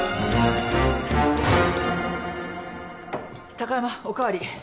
貴山お代わり。